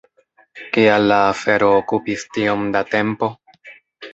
Kial la afero okupis tiom da tempo?